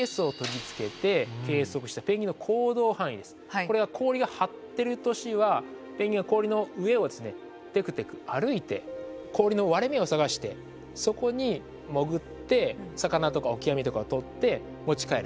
これは氷が張ってる年はペンギンが氷の上をテクテク歩いて氷の割れ目を探してそこに潜って魚とかオキアミとかを取って持ち帰る。